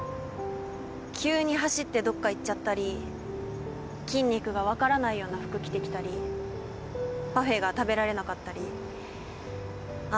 急に走ってどっか行っちゃったり筋肉が分からないような服着てきたりパフェが食べられなかったりあ